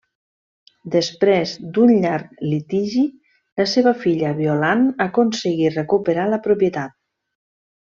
Després d'un llarg litigi, la seva filla Violant aconseguí recuperar la propietat.